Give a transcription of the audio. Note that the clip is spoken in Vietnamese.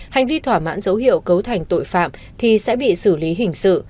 hành vi thỏa mãn dấu hiệu cấu thành tội phạm thì sẽ bị xử lý hình sự